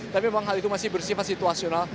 tapi memang hal itu masih bersifat situasional